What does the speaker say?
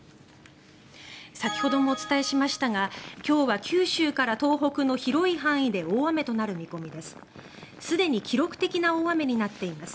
先ほどもお伝えしましたが今日は九州から東北の広い範囲で大雨となる見込みです。